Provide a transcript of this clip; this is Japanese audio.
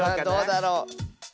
どうだろう。